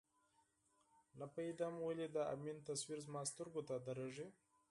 نه پوهېدم ولې د امین تصویر زما سترګو ته درېږي.